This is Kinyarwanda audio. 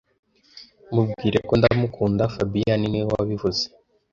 Mubwire ko ndamukunda fabien niwe wabivuze